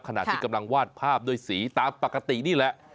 ขณะที่กำลังวาดภาพด้วยสีตามปกตินี่แหละ